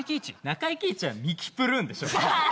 中井貴一はミキプルーンでしょ